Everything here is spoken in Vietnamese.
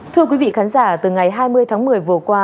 thưa quý vị khán giả từ ngày hai mươi tháng một mươi vừa qua